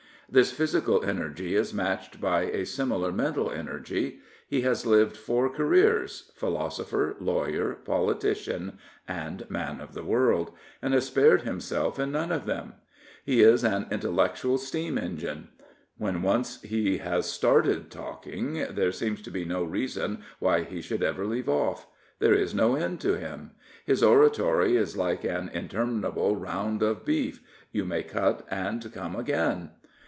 This physical energy is matched by a similar mental energy. He has lived four careers — ^philo sopher, lawyer, politician, and man of the world, and has spared himself in none of them. | He is an intellectual steam engine^ When once he has started talking, there seems no reason why he should ever leave off. There is no end to him. His oratory is like an interminable round of beef — ^you may cut and come again.